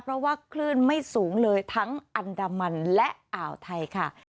เพราะว่าคลื่นไม่สูงเลยทั้งอันดามันและอ่าวไทยค่ะ